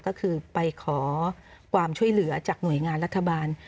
ก็คือไปขอความช่วยเหลือจากหน่วยงานรัฐบาล